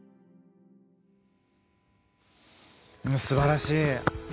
すばらしい。